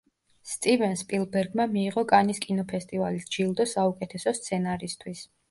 სტივენ სპილბერგმა მიიღო კანის კინოფესტივალის ჯილდო საუკეთესო სცენარისთვის.